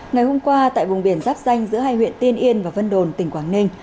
ngày hôm qua tại vùng biển giáp danh giữa hai huyện tiên yên và vân đồn tỉnh quảng ninh